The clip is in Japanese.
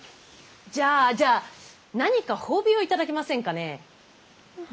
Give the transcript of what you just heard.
じゃあじゃあ何か褒美を頂けませんかねぇ。